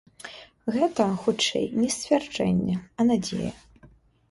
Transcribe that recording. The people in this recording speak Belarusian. Гэта, хутчэй, не сцвярджэнне, а надзея.